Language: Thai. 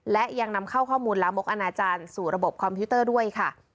และยังนำเข้าข้อมูลลามกอนาจารย์สู่ระบบคอมพิวเตอร์ด้วยค่ะ